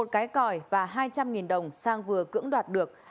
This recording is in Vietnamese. một cái còi và hai trăm linh đồng sang vừa cưỡng đoạt được